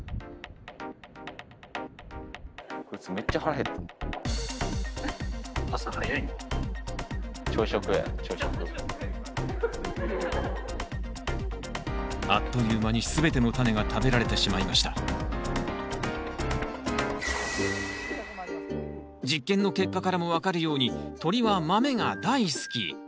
こいつあっという間に全てのタネが食べられてしまいました実験の結果からも分かるように鳥は豆が大好き。